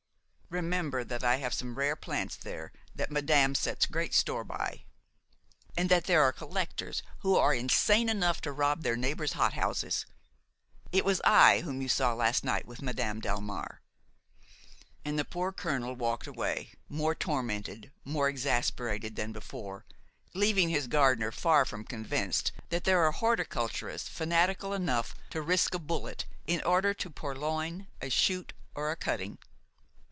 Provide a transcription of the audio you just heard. Remember that I have some rare plants there that madame sets great store by, and that there are collectors who are insane enough to rob their neighbors' hothouses; it was I whom you saw last night with Madame Delmare." And the poor colonel walked away, more tormented, more exasperated than before, leaving his gardener far from convinced that there are horticulturists fanatical enough to risk a bullet in order to purloin a shoot or a cutting.